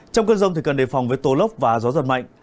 trong cơn rông thì cần đề phòng với tố lốc và gió giật mạnh